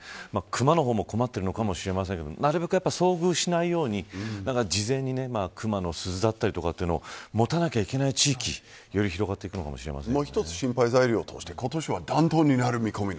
熊の方も困っているのかもしれませんがなるべく遭遇しないように事前に、熊の鈴だったりというのを持たなきゃいけない地域がより広がっていくかもしれませんね。